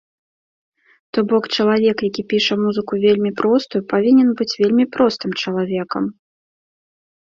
То бок, чалавек, які піша музыку вельмі простую, павінен быць вельмі простым чалавекам.